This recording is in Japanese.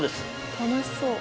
楽しそう。